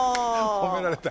褒められた。